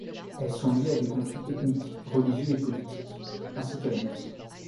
Elles sont liées à des conflits ethniques, religieux et politiques, ainsi qu'à la mafia.